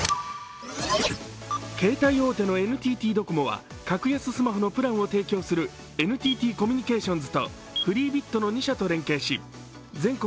携帯大手のＮＴＴドコモは格安スマホのプランを提供するＮＴＴコミュニケーションズとフリービットの２社と連携し全国